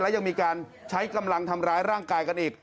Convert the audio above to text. และยังมีการใช้กำลังทำร้ายร่างกายกันอีก